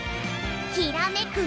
きらめく